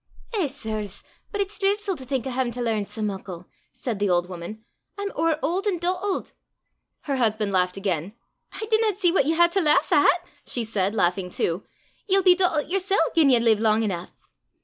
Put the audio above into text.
"Eh, sirs, but it's dreidfu' to think o' haein' to learn sae muckle!" said the old woman. "I'm ower auld an' dottlet!" Her husband laughed again. "I dinna see what ye hae to lauch at!" she said, laughing too. "Ye'll be dottlet yersel' gien ye live lang eneuch!"